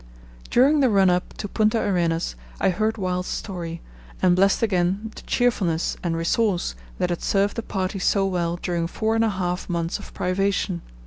During the run up to Punta Arenas I heard Wild's story, and blessed again the cheerfulness and resource that had served the party so well during four and a half months of privation.